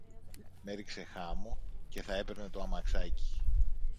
με έριξε χάμω και θα έπαιρνε το αμαξάκι